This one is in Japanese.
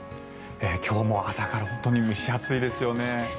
今日も朝から本当に蒸し暑いですよね。